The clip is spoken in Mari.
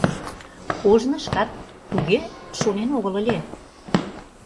Ожно шкат туге шонен огыл ыле.